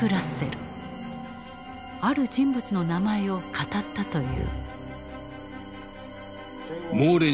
ある人物の名前を語ったという。